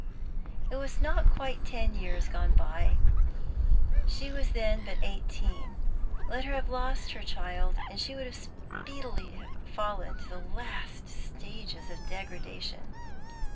That was not quite ten years gone by; she was then but eighteen. Let her have lost her child, and she would speedily have fallen into the last stages of degradation.